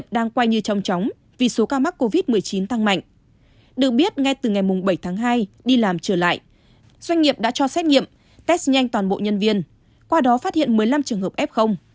được biết ngay từ ngày bảy tháng hai đi làm trở lại doanh nghiệp đã cho xét nghiệm test nhanh toàn bộ nhân viên qua đó phát hiện một mươi năm trường hợp f